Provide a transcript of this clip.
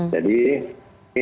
jadi ini atas